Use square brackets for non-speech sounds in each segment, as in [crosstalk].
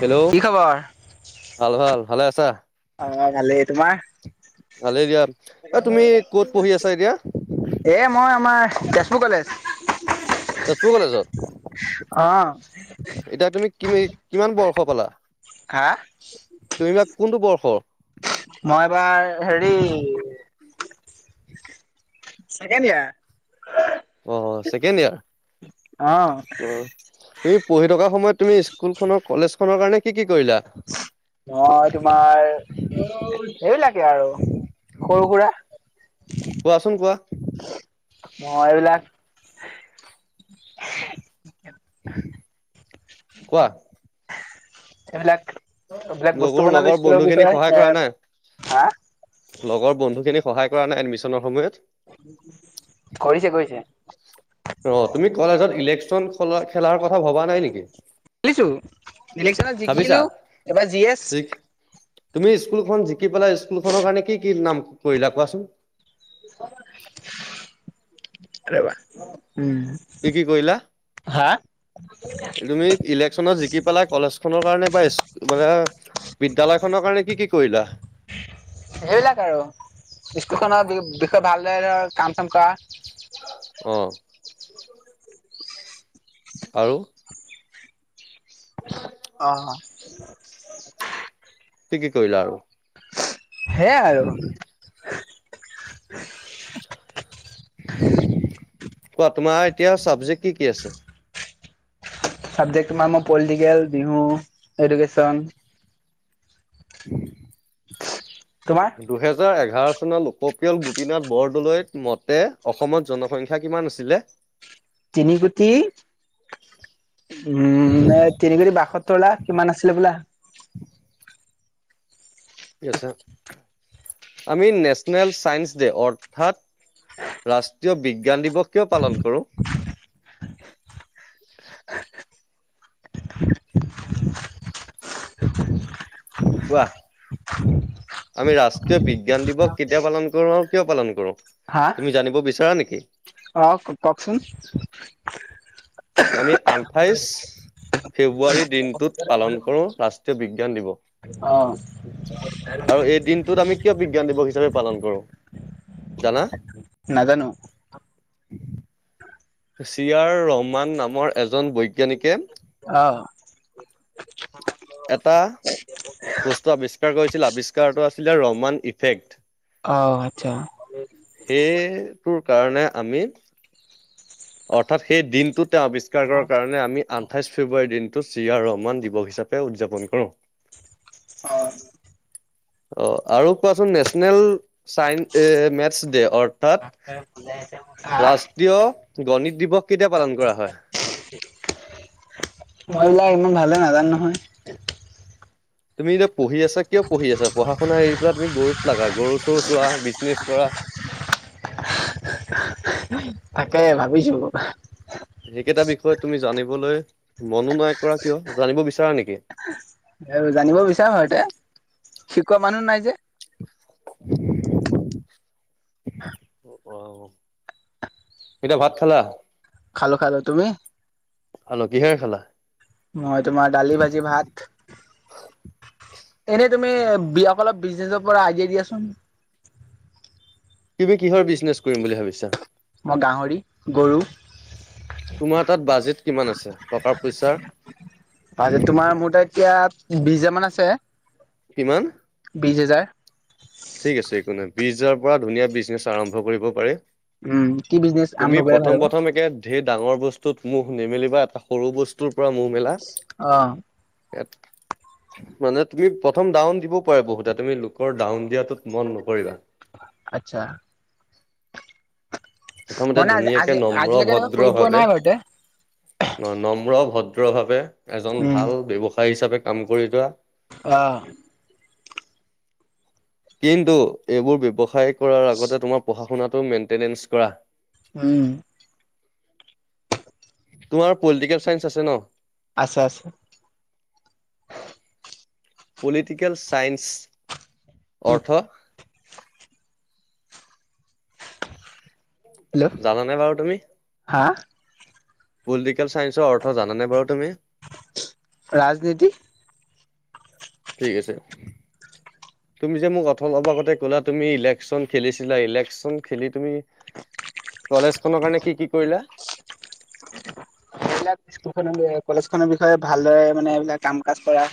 Hello, কি খবৰ? ভাল ভাল, ভালে আছা? অ, ভালেই, তোমাৰ? ভালেই দিয়া, এ তুমি ক'ত পঢ়ি আছা এতিয়া? এ মই আমাৰ তেজপুৰ কলেজ। তেজপুৰ কলেজত? এতিয়া তুমি কিমে কিমান বৰ্ষ পালা? হা? তুমি এইবাৰ কোনটো বৰ্ষৰ? মই এবাৰ হেৰি ছেকেণ্ড ইয়াৰ। অ' ছেকেণ্ড ইয়াৰ? অ'। অ' তুমি পঢ়ি থকা সময়ত তুমি, স্কুল খনৰ কলেজ খনৰ কাৰণে, কি কি কৰিলা? মই তোমাৰ এইবিলাকেই আৰু সৰু সুৰা কোৱাচোন কোৱা। মই এবিলাক কোৱা। এইবিলাক এইবিলাক বস্তু লগৰ বনালো লগৰ স্কুলৰ বন্ধু খিনিক সহায় বিষয়ে এ কৰা নাই হা লগৰ বন্ধু খিনিক সহায় কৰা নাই, এডমিশ্যনৰ সময়ত? কৰিছে কৰিছে। ৰ' তুমি কলেজত ইলেকশ্যন খলা খেলাৰ কথা ভবা নাই নেকি? খেলিছো, ইলেশ্যনত ভাবিছা জিকিলো এবাৰ জি এছ তুমি স্কুলখন জিকি পেলাই স্কুল খনৰ কাৰণে, কি কি নাম কৰিলা কোৱাচোন? আৰু এবাৰ, উম কি কি কয়িলা? হা? তুমি ইলেকশচনত জিকি পেলাই, কলেজ খনৰ কাৰণে বা স্ক মানে বিদ্যয়ালয় খনৰ কাৰণে কি কি কৰিলা? সেইবিলাক আৰু স্কুল খনৰ বি বিষয়ে ভালদৰে দৰে কাম চাম কৰা। অঁ। আৰু। অঁ, অঁ [inaudible] কি কি কৰিলা আৰু? সেয়াই আৰু কোৱা তোমাৰ এতিয়া, চাবজেক্ট কি কি আছে? চাবজেক্ট তোমাৰ মো পলিটিকেল, বিহু, এডুকেশ্যন তোমাৰ দুহেজাৰ এঘাৰ চনতো লোকপিয়ল গোপীনাথ বৰদলৈত মতে, অসমত জনসংখ্যা কিমান আছিলে? তিনি কোটি উম এ তিনি কোটি বাসত্তৰ লাখ কিমান আছিলে হবলা কি আছে? আমি নেশনেলচাইন্স দে অথাৎ ৰাষ্ট্ৰীয় বিজ্ঞান দিৱস, কিয় পালন কৰো? কোৱা আমি ৰাষ্ট্ৰীয় বিজ্ঞান দিৱস কেতিয়া পালন কৰো আৰু কিয় পালন কৰো? তুমি জানিব বিচাৰা নেকি? অঁহ কওঁকচোন। আমি আঠাইশ ফেব্ৰুৱাৰী দিনটোত পালন কৰো, ৰাষ্ট্ৰীয় বিজ্ঞান অ দিৱস। আৰু এই দিনটোত আমি কিয় বিজ্ঞান দিৱস হিচাপে কৰো? জানা? নাজানো চি আৰ ৰহমান নামৰ এজন বৈজ্ঞানিকে অহ এটা বস্তু আৱিষ্কাৰ কৰিছিল আৱিষ্কাৰটো আছিলে ৰহমান ইফেক্ট অ আচ্ছা সেটোৰ কাৰণে আমি অৰ্থাৎ সেই দিনটোতে আৱিষ্কাৰ কৰাৰ কাৰণে আমি আন আঠাইছ ফেব্ৰুৱাৰীৰ দিনটো চি আৰ ৰহমান দিৱস হিচাপে উদযাপন কৰোঁ অ অ আৰু কোৱাচোন নেচনেল চাইন্স এ মেথছ ডে অৰ্থাৎ হা ৰাষ্ট ষ্ট্ৰীয় গণিত দিৱস কেতিয়া পালন কৰা হয়? মই সেইবিলাক ইমান ভালেদৰে নাজানো নহয় তুমি এতিয়া পঢ়ি আছা কিয় পঢ়ি আছা, শুনা এৰি পেলাই তুমি গৰুত লাগা গৰু চৰু চোৱা বিজনেছ কৰা তাকে ভাবিছো সেইকেইটা বিষয়ে তুমি জানিবলৈ মনোনাই কৰা কিয় জানিব বিচাৰা নেকি? এই জানিব বিচাৰো সতে শিকোৱা মানুহ নাই যে [unintelligible] [unintelligible] অ তেতিয়া ভাত খালা? খালোঁ খালোঁ, তুমি? খালোঁ। কিহেৰে খালা? মই তোমাৰ দালি, ভাজি, ভাত। এনেই তুমি অলপ বিজনেচৰ পৰা আইডিয়া দিয়াচোন তুমি কিহৰ বিজনেছ কৰিম বুলি ভাবিছা? মই গাহৰি, গৰু তোমাৰ তাত বাজেট কিমান আছে টকাৰ পইচাৰ বাজেট তোমাৰ মোৰ তাত এতিয়া বিশ হাজাৰ মান আছে কিমান? বিশ হেজাৰ। ঠিক আছে একো নহয় বিশ হাজাৰ পৰা ধুনীয়া বিজনেচ আৰম্ভ কৰিব পাৰি উম কি বিজনেচ আৰম্ভ তুমি কৰিলে ভাল প্ৰথম হ'ব প্ৰথম একে ঢেৰ ডাঙৰ বস্তুত মুখ নিমেলিবা এটা সৰু বস্তুৰ পৰা মুখ মেলা অ ইয়াত মানে তুমি প্ৰথম ডাউন দিবও পাৰা বহুতে তুমি লোকৰ ডাউন দিয়া তোত মন নকৰিবা আটচ্ছা প্ৰথমতে মানে আজি ধুনীয়াকে আজি নম্ৰ আজিলৈকে এনেকুৱা ভদ্ৰ কৰি পোৱা ভাৱে নাই বাৰু তে নম্ৰ ভদ্ৰ ভাৱে এজন উম ভাল ব্যৱসায়ী হিচাপে কাম কৰি যোৱা অ কিন্তু এইবোৰ ব্যৱসায়ী কৰাৰ আগতে তোমাৰ পঢ়া শুনাটো মেইনটেনেঞ্চ কৰা উম তোমাৰ পলিটিকেল ছাইন্স আছে ন? আছে আছে পলিটিকেল চাইন্স অৰ্থ হেল্ল' জানানে বাৰু তুমি? হা! পলিটিকেল সাইন্সৰ অৰ্থ জানানে বাৰু তুমি? ৰাজনীতি ঠিক আছে। [inaudible] তুমি যে মোক অথল অলপ আগতে কলা তুমি ইলেকশ্যন খেলিছিলা, ইলেকশ্যন খেলি তুমি কলেজখনৰ কাৰণে কি কি কৰিলা? এইবিলাক স্কুলখনৰ লৈ কলেজখনৰ বিষয়ে ভালদৰে মানে এইবিলাক কাম - কাজ কৰা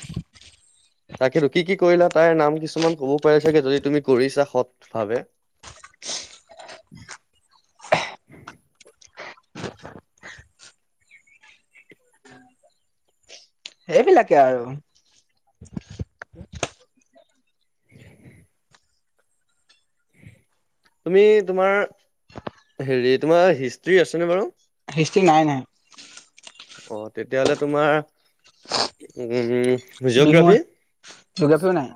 তাকেতো কি কি কৰিলা তাইৰ নাম কিছুমান ক'ব পাৰি চাগে যদি তুমি কৰিছা সৎ ভাবে। সেইবিলাকে আৰু। তুমি তোমাৰ হেৰি তোমাৰ হিষ্ট্ৰী আছেনে বাৰু? হিষ্ট্ৰি নাই নাই। অ তেতিয়াহলে তোমাৰ উম জিঅ'গ্ৰাফী [unintelligible] জগ্ৰাফিও নাই।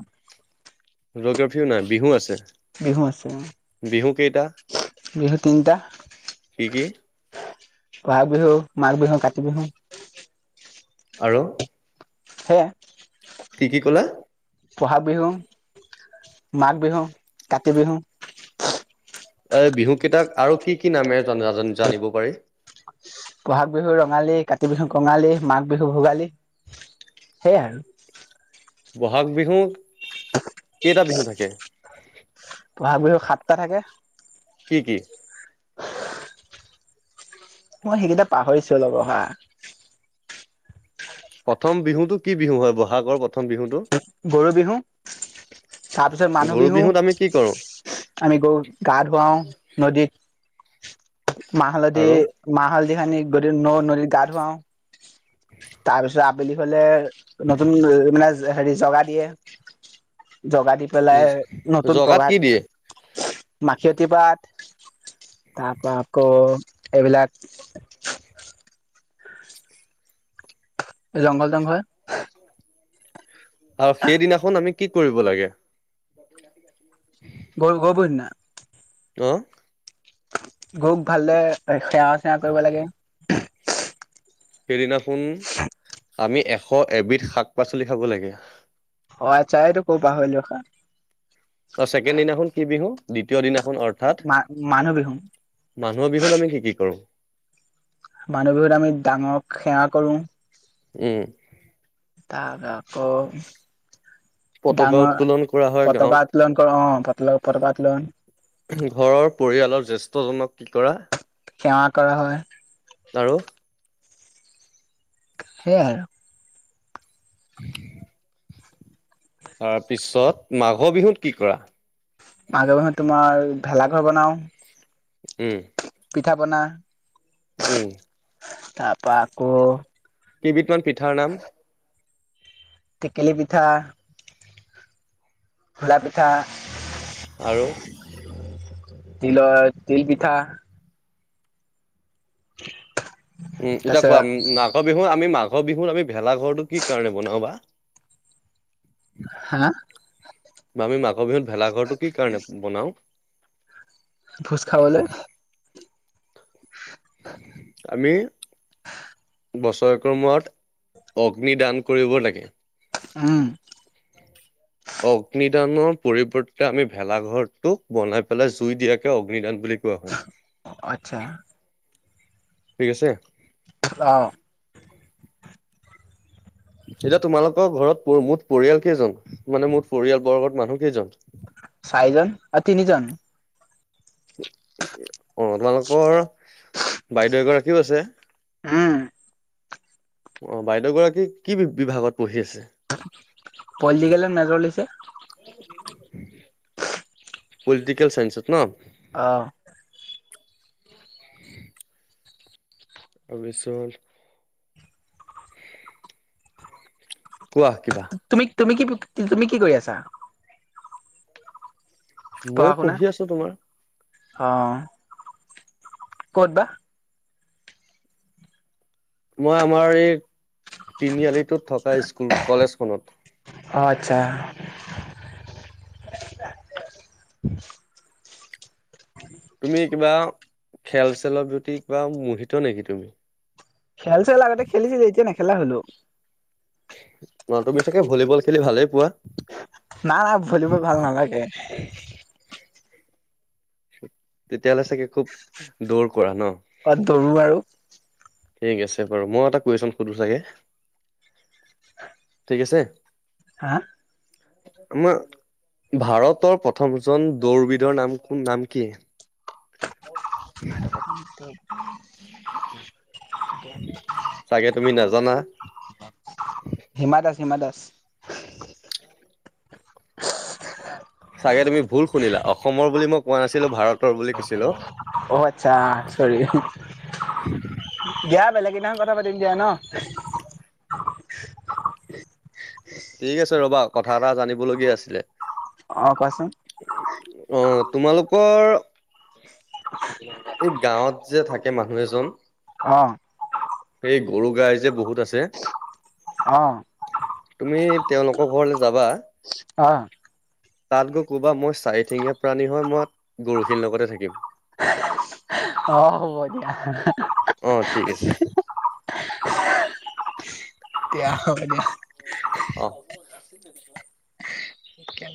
জগ্ৰাফীও নাই বিহু আছে। বিহু আছে অ, বিহু কেইটা বিহু তিনিটা। কি কি ব'হাগ বিহু, মাঘ বিহু, কাতি বিহু। আৰু? সেয়াই। কি কি ক'লা? ব'হাগ বিহু, মাঘ বিহু, কাতি বিহু। এই বিহুকিটাক আৰু কি কি নামে জনা জান-জানিব পাৰি? ব'হাগ বিহু ৰঙালী, কাতি বিহুক কঙালী, মাঘ বিহু ভোগালী, সেই আৰু। ব'হাগ বিহুত কেইটা বিহু থাকে? ব'হাগ বিহু সাতটা থাকে। কি কি? মই সেইকেইটা পাহৰিছোঁ অলপ ৰহা। প্ৰথম বিহুটো কি বিহু হয় ব'হাগৰ প্ৰথম বিহুটো? গৰু বিহু তাৰপিছত মানুহ গৰু বিহু। বিহুত আমি কি কৰো আমি গৰুক গা ধুৱাওঁ নদীত, মাহ, হালধি আৰু মাহ, হালদি সানি গোটেই ন নদীত গা ধুৱাওঁ। তাৰপিছত আবেলি হ'লে নতুন অ মানে জ হেৰি জগা দিয়ে। জগা দি পেলাই নতুন জগাত পঘাত, কি দিয়ে মাখিয়তী পাত তাৰপৰা আকৌ এইবিলাক জংঘল তংঘল আৰু সেইদিনাখন আমি কি কৰিব লাগে? [unintelligible] গৰ গৰব দিনা? ত গৰুক ভালদৰে এ সেৱা - চেৱা কৰিব লাগে। সেইদিনাখোন আমি এশ এবিধ শাক - পাচলি খাব লাগে। অ' আচ্ছা সেইটো কব পাহৰিলোঁ ৰখা। তা ছেকেণ্ড দিনাখন কি বিহু? দ্বিতীয় দিনাখন অৰ মা-মানুহ বিহু। মানুহৰ বিহুত আমি কি কি কৰোঁ? মানুহ বিহুত আমি ডাঙৰক সেৱা কৰোঁ। এয়ে। তাক আকৌ- পতকা ডাঙৰ উত্তোলন কৰা হয় পতকা গাঁৱত উত্তোলন কৰোঁ অঁ', পতকা উত্তোলন। ঘৰৰ পৰিয়ালৰ জেষ্ঠজনক কি কৰা? সেৱা কৰা হয়। আৰু? সেয়া আৰু। [inaudible] তাৰপিছত, মাঘৰ বিহুত কি কৰা? মাঘৰ বিহুত তোমাৰ, ভেলাঘৰ বনাওঁ। উমঁ। পিঠা-পনা- উমঁ। তাৰপা আকৌ- কেইবিধমান পি- ঠাৰ নাম? টেকেলি পিঠা- ঘিলা পিঠা। আৰু? [inaudible] তিলৰ, তিল পিঠা। এতিয়া তাৰপিছত কোৱা, ন-নাম- মাঘৰ বিহুৰ, আমি মাঘৰ বিহুত আমি ভেলাঘৰটো কি কাৰণে বনাও বা? হা? বা' আমি মাঘৰ বিহুত ভেলাঘৰটো কি কাৰনে বনাওঁ? ভোজ খাবলৈ। [unintelligible] আমি বছৰেকৰ মূৰত অগ্নিদান কৰিব লাগে। উমঁ। অগ্নিদানৰ পৰিৱৰ্তে আমি ভেলাঘৰটোক বনাই পেলাই জুই দিয়াকে অগ্নিদান বুলি কোৱা হয়। হয়। অহ', -আচ্ছা। ঠিক আছে। অহ'। এতিয়া তোমালোকৰ ঘৰত মুঠ পৰিয়াল কেইজন মানে মোৰ পৰিয়াল বৰ্গৰ মানুহ কেইজন? চাৰিজন, অ' তিনিজন। অঁ', তোমালোকৰ বাইদেউ এগৰাকীও আছে? উমঁ। অঁ', বাইদেউ গৰাকী কি বিভাগত পঢ়ি আছে? পলিটিকেলত এ' মেজৰ লৈছে। পলিটিকেল চাইন্সত ন'। অঁহ'। তাৰপিছত কোৱা কিবা। তুমি তুমি কি তুমি কি কৰি আছা? মই পঢ়ি আছো তোমাৰ। অহ'। ক'ত বা? মই আমাৰ এই তিনিআলিটোত থকা স্কুল কলেজখনত। অহ আচ্ছা। তুমি কিবা খেল-চেলৰ প্ৰতি কিবা মোহিত নেকি তুমি? খেল-চেল আগতে খেলিছিলো, এতিয়া নেখেলা হলো। অহ' তুমি চাগে ভলীবল খেলি ভালেই পোৱা? নাহ না ভলীবল ভাল নালাগে। তেতিয়াহ'লে চাগে খুব দৌৰ কৰা ন? অহ' দৌৰো বাৰু। ঠিক আছে বাৰু মই এটা কুৱেশ্যন সুধো চাগে, ঠিক আছে? হা? তোমাৰ ভাৰতৰ প্ৰথমজন দৌৰবিদৰ নাম কোন নাম কি? [inaudible] [inaudible] চাগে তুমি নাজানা হিমা দাস, হিমা দাস। চাগে তুমি ভুল শুনিলা অসমৰ বুলি মই কোৱা নাছিলোঁ। ভাৰত অহ' আচ্ছা চৰি! দিয়া বেলেগ দিনা কথা পাতিম দিয়া ন। ঠিক আছে ৰ'বা! কথা এটা জানিবলগীয়া আছিলে। অহ' কোৱাচোন! অহ' তোমালোকৰ [inaudible] এই গাঁৱত যে থাকে মানুহ এজন। অ'। এই গৰু গাই যে বহুত আছে। অ'। তুমি তেওঁলোকৰ ঘৰলৈ যাবা। অ'। তাত গৈ ক'বা মই চাৰিঠেঙীয়া প্ৰাণী হয়, মই গৰুখিনি লগতে থাকিম। অহ' হব দিয়া। অঁ ঠিক আছে। [unintelligible] অহ'। দিয়া।